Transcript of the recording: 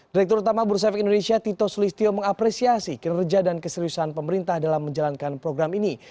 direktur utama bursa efek indonesia tito sulistyo mengapresiasi kinerja dan keseriusan pemerintah dalam menjalankan program ini